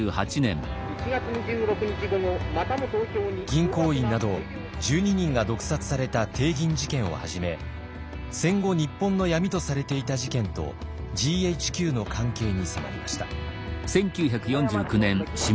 銀行員など１２人が毒殺された帝銀事件をはじめ戦後日本の闇とされていた事件とＧＨＱの関係に迫りました。